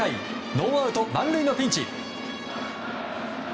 ノーアウト満塁のピンチ。